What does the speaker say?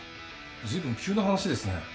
随分急な話ですね。